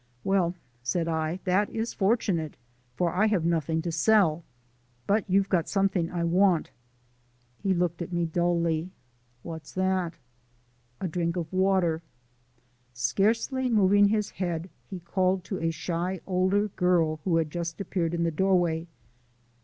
"Well," said I, "that is fortunate, for I have nothing to sell. But you've got something I want." He looked at me dully. "What's that?" "A drink of water." Scarcely moving his head, he called to a shy older girl who had just appeared in the doorway.